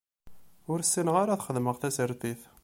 Ur ssineɣ ara ad xedmeɣ tasertit.